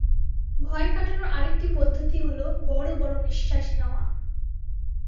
ভয় কাটানোর আরেকটি পদ্ধতি হল বড়-বড় নিঃশ্বাস নেওয়া।